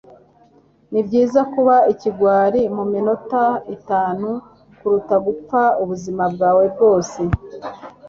Nibyiza kuba ikigwari muminota itanu kuruta gupfa ubuzima bwawe bwose